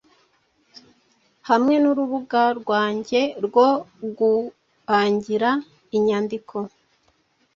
hamwe nurubuga ruange rwo guangira inyandiko